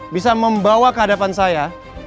bisa membawa kehadapan saya